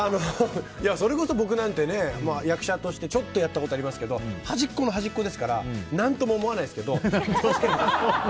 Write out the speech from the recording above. それこそ僕なんて役者としてちょっとやったことありますけど端っこの端っこですから何とも思わないですけど。